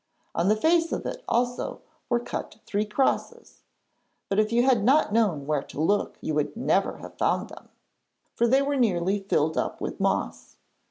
On the face of it also were cut three crosses, but if you had not known where to look you would never have found them, for they were nearly filled up with moss.